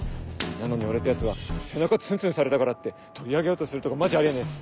なのに俺ってやつは背中ツンツンされたからって取り上げようとするとかマジあり得ねぇっす。